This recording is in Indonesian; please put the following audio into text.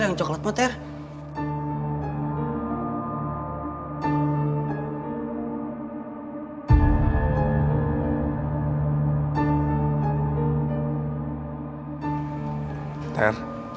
yang coklatmu tar